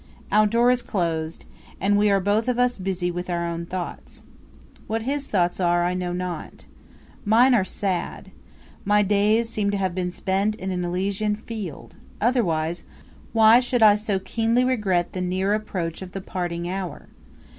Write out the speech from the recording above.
Our door is closed, and we are both of us busy with our own thoughts. What his thoughts are I know not. Mine are sad. My days seem to have been spent in an Elysian field; otherwise, why should I so keenly regret the near approach of the parting hour?